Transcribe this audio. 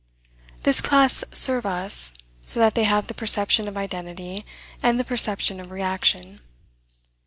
This class serve us, so that they have the perception of identity and the perception of reaction.